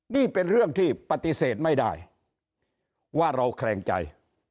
นี่เป็นเรื่องที่ปฏิเสธไม่ได้ว่าเราแขลงใจ